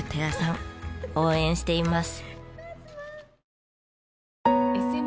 応援しています。